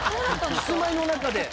キスマイの中で。